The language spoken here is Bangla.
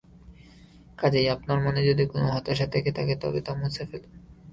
কাজেই আপনার মনে যদি কোনো হতাশা থেকে থাকে তবে তা মুছে ফেলুন।